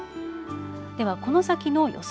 ではこの先の予想